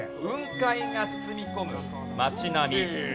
雲海が包み込む街並み。